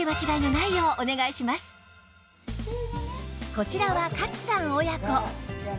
こちらは勝さん親子